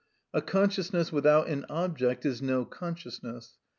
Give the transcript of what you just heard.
A consciousness without an object is no consciousness.